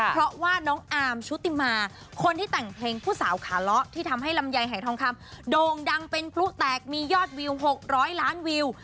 เพราะว่าน้องอาร์มชุติมาคนที่แต่งเพลงผู้สาวขาเลาะที่ทำให้ลำไยหายทองคำโด่งดังเป็นพลุแตกมียอดวิว๖๐๐ล้านวิว